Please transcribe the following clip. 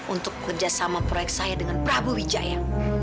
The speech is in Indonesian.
untuk kerjasama proyek saya dengan prabu wijaya